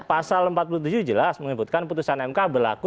pasal empat puluh tujuh jelas mengibutkan putusan mk berlaku